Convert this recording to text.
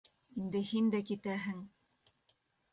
Инде һин дә китәһең...